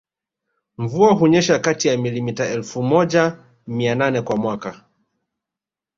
Mvua hunyesha kati ya milimita elfu moja mia nane kwa mwaka